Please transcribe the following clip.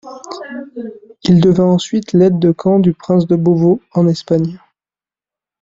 Il devint ensuite l'aide de camp du prince de Beauvau, en Espagne.